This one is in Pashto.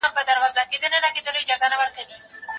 د ډیپلوماټیکو اړیکو په ترڅ کي وګړي نه اورېدل کیږي.